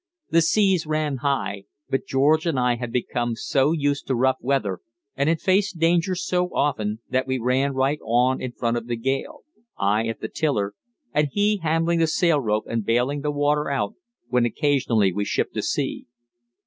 The seas ran high, but George and I had become so used to rough weather and had faced danger so often that we ran right on in front of the gale, I at the tiller, and he handling the sail rope and bailing the water out when occasionally we shipped a sea.